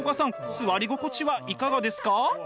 座り心地はいかがですか？